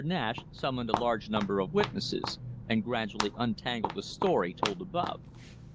Nash summoned a large number of witnesses and gradually untangled the story told above.